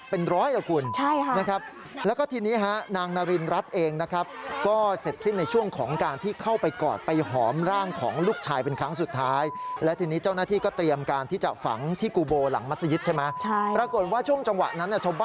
เป็นร้อยละคุณนะครับ